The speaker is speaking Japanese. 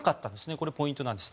これポイントなんです。